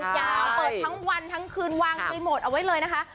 ยาวเปิดทั้งวันทั้งคืนวางรีโมทเอาไว้เลยนะคะ